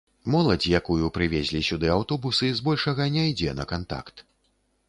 Моладзь, якую прывезлі сюды аўтобусы, збольшага не ідзе на кантакт.